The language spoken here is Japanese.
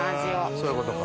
そういうことか。